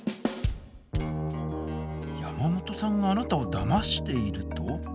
山本さんがあなたをだましていると？